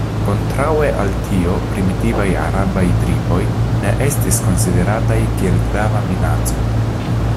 Kontraŭe al tio primitivaj arabaj triboj ne estis konsiderataj kiel grava minaco.